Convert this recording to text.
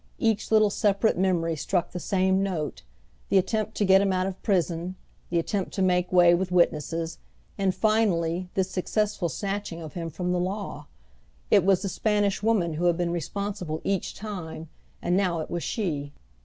Each little separate memory struck the same note the attempt to get him out of prison, the attempt to make way with witnesses, and finally this successful snatching of him from the law it was the Spanish Woman who had been responsible each time, and now it was she.